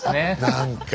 何か。